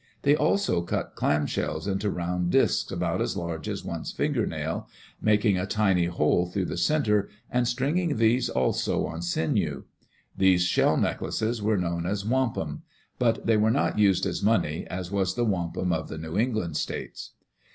They also cut clam shells into round disks about as large as one's fingernail, making a tiny hole through the center, and stringing these also on sinew. These shell necklaces were known as Digitized by CjOOQ IC HOW THE INDIANS LIVED wampum, but they were not used as money, as was the wampum of the New England states.